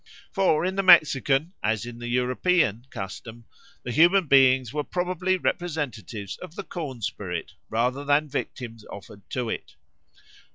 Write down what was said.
For in the Mexican, as in the European, custom the human beings were probably representatives of the corn spirit rather than victims offered to it.